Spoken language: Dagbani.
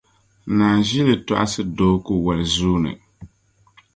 Naanʒili tɔɣisi doo ku wali zuuni.